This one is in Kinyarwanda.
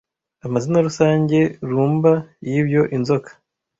Amazina rusange rhumba y'ibyo Inzoka